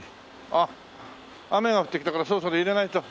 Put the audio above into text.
あっ雨が降ってきたからそろそろ入れないと。